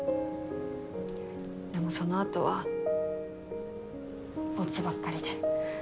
でもそのあとはボツばっかりで。